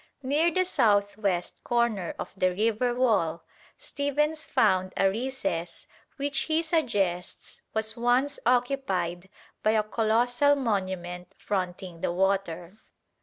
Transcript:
Near the south west corner of the river wall Stephens found a recess which he suggests was once occupied by a colossal monument fronting the water.